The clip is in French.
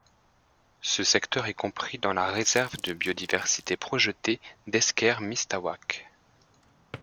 Ce secteur est compris dans la Réserve de biodiversité projetée d'Esker-Mistaouac.